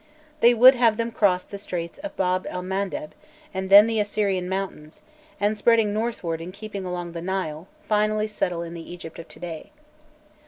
They would have them cross the Straits of Bab el Mandeb, and then the Abyssinian mountains, and, spreading northward and keeping along the Nile, finally settle in the Egypt of to day.